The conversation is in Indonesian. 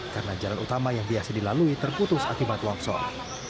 karena jalan utama yang biasa dilalui terputus akibat longsor